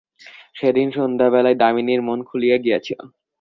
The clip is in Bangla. সেদিন সন্ধ্যাবেলায় দামিনীর মন খুলিয়া গিয়াছিল।